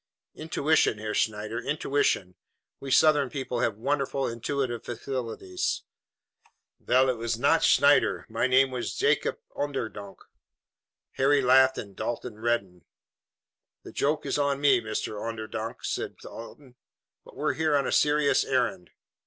"Intuition, Herr Schneider! Intuition! We Southern people have wonderful intuitive faculties." "Vell, it vas not Schneider. My name vas Jacob Onderdonk." Harry laughed and Dalton reddened. "The joke is on me, Mr. Onderdonk," said Dalton. "But we're here on a serious errand.